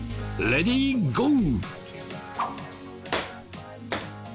レディーゴー！